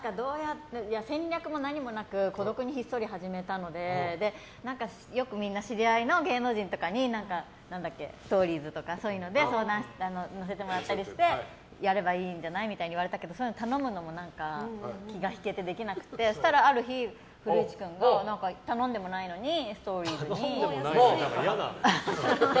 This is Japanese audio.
戦略も何もなく孤独にひっそり始めたのでよくみんな知り合いの芸能人とかにストーリーズとかそういうので載せてもらったりしてやればいいんじゃないとか言われたりしたけどそういうの頼むのも気が引けてできなくて、ある日古市君が頼んでもないのに頼んでもないって嫌な。